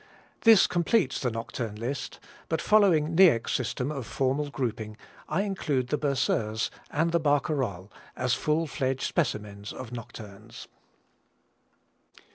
This completes the nocturne list, but following Niecks' system of formal grouping I include the Berceuse and Barcarolle as full fledged specimens of nocturnes.